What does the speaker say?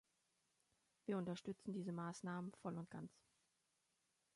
Wir unterstützen diese Maßnahmen voll und ganz.